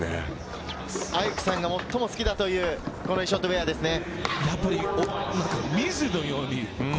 アイクさんが最も好きだというこのイショッド・ウェアですね。